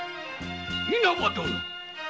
稲葉殿！